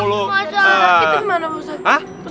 itu gimana pak ustad